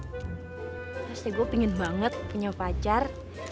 terus gue pengen banget punya pacar